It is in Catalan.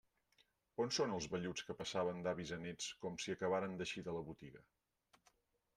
On són els velluts que passaven d'avis a néts, com si acabaren d'eixir de la botiga?